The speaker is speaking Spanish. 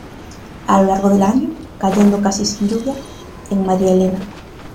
A lo largo del año, cayendo casi sin lluvia en María Elena.